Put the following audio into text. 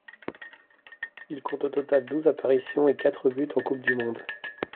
Il compte au total douze apparitions et quatre buts en Coupe du monde.